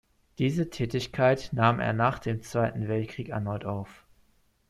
Diese Tätigkeit nahm er nach dem Zweiten Weltkrieg erneut auf.